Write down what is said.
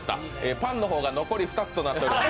パンの方が残り２つとなっております。